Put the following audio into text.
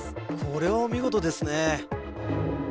これはお見事ですね